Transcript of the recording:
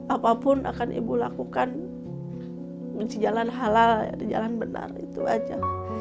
apapun akan ibu lakukan kunci jalan halal jalan benar itu aja